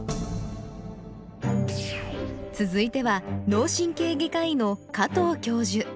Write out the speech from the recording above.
続いては脳神経外科医の加藤教授